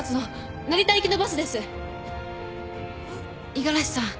五十嵐さん